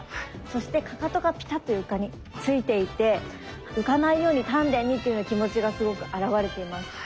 そしてかかとがピタッと床についていて浮かないように丹田にという気持ちがすごく表れていました。